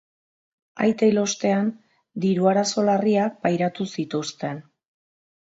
Aita hil ostean, diru arazo larriak pairatu zituzten.